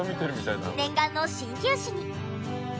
念願の鍼灸師に。